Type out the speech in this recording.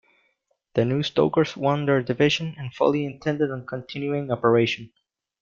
The new Stokers won their division and fully intended on continuing operation.